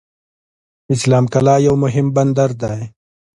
اسلام قلعه یو مهم بندر دی.